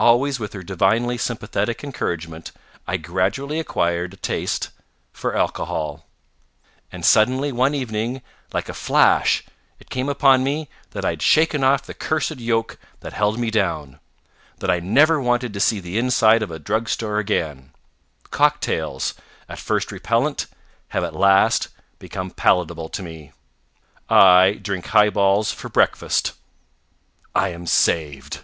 Always with her divinely sympathetic encouragement, I gradually acquired a taste for alcohol. And suddenly, one evening, like a flash it came upon me that I had shaken off the cursed yoke that held me down: that I never wanted to see the inside of a drugstore again. Cocktails, at first repellent, have at last become palatable to me. I drink highballs for breakfast. I am saved.